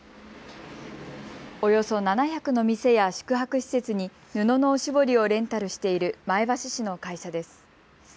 およそ７００の店や宿泊施設に布のおしぼりをレンタルしている前橋市の会社です。